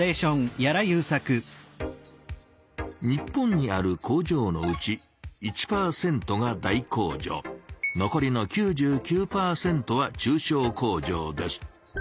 日本にある工場のうち１％が大工場残りの９９％は中小工場です。